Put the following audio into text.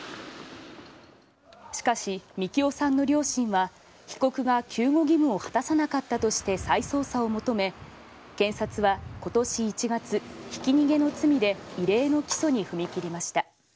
しかし、樹生さんの両親は被告が救護義務を果たさなかったとして再捜査を求め検察は今年１月ひき逃げの罪で異例の起訴に踏み切りました。